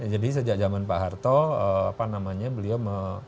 jadi sejak zaman pak harto apa namanya beliau